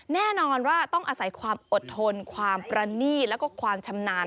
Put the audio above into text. แน่นอนว่าต้องอาศัยความอดทนความประนีตแล้วก็ความชำนาญ